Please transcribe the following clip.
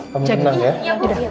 kamu tenang ya